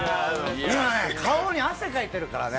今、顔に汗かいてるからね。